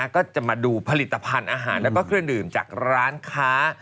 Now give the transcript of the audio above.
ก็จะมาดูผลิตภัณฑ์อาหารแล้วก็เครื่องดื่มจากร้านค้า